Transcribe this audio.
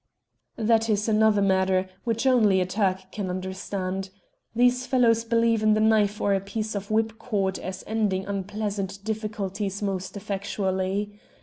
"That is another matter, which only a Turk can understand. These fellows believe in the knife or a piece of whipcord as ending unpleasant difficulties most effectually.